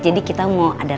jadi kita mau adaran